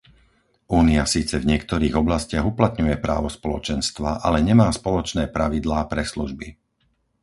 Únia síce v niektorých oblastiach uplatňuje právo Spoločenstva, ale nemá spoločné pravidlá pre služby.